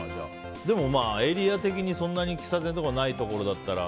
でもエリア的に喫茶店とかそんなにないところだったら。